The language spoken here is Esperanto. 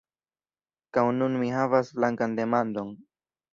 Kaj nun mi havas flankan demandon.